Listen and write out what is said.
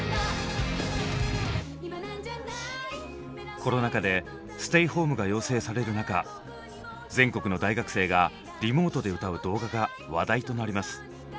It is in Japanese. コロナ禍でステイホームが要請される中全国の大学生がリモートで歌う動画が話題となります。